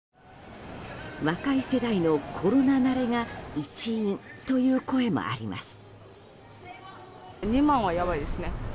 若い世代のコロナ慣れが一因という声もあります。